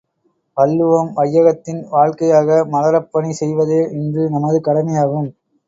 வள்ளுவம் வையகத்தின் வாழ்க்கையாக மலரப் பணி செய்வதே இன்று நமது கடமையாகும்.